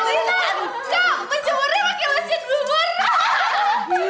kau menjemurnya pakai mesin rumor